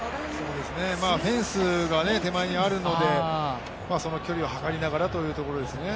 フェンスが手前にあるので、その距離をはかりながらというところですね。